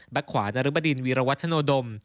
แบ็คขวานริบดินวีรวัฒนโดม